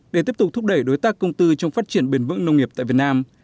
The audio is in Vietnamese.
để tiếp tục thúc đẩy đối tác công tư trong phát triển bền vững nông nghiệp tại việt nam